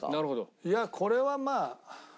いやこれはまあ。